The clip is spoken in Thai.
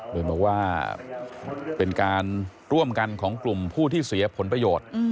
โดยบอกว่าเป็นการร่วมกันของกลุ่มผู้ที่เสียผลประโยชน์